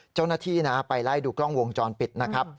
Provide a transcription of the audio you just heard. เจ้าหน้าที่นะไปไล่ดูกล้องวงจรปิดนะครับ